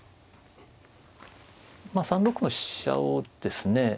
３六の飛車をですね